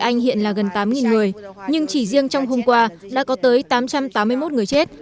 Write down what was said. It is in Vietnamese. anh hiện là gần tám người nhưng chỉ riêng trong hôm qua đã có tới tám trăm tám mươi một người chết